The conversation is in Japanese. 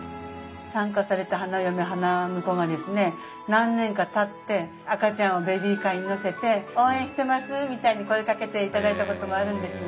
参加された花嫁花婿がですね何年かたって赤ちゃんをベビーカーに乗せて「応援してます」みたいに声かけていただいたこともあるんですね。